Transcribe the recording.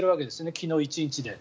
昨日１日で。